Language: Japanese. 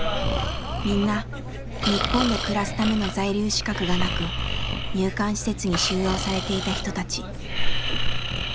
みんな日本で暮らすための在留資格がなく入管施設に収容されていた人たち。